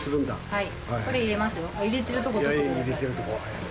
はい